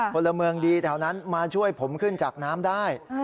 พลเมืองดีแถวนั้นมาช่วยผมขึ้นจากน้ำได้